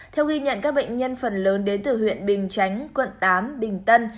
theo ghi nhận các bệnh nhân phần lớn đến từ huyện bình chánh quận tám bình tân